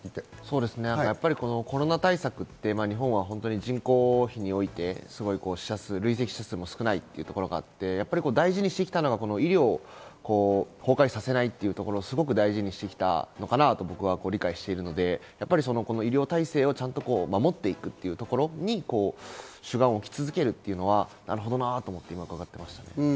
コロナ対策って日本は人口比において累積死者数も少ないということもあって、大事にしてきたのが医療を崩壊させないというところをすごく大事にしてきたのかなと僕は理解していて、医療体制を守っていくというところに主眼を置き続けるというのはいいことだなと思っていましたね。